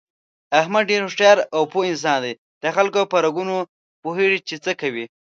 احمد ډېر هوښیار او پوه انسان دی دخلکو په رګونو پوهېږي، چې څه کوي...